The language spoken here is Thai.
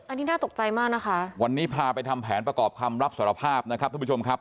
อันนี้น่าตกใจมากนะคะวันนี้พาไปทำแผนประกอบคำรับสารภาพนะครับท่านผู้ชมครับ